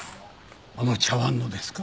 あの茶わんのですか？